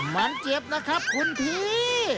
มันเจ็บนะครับคุณพี่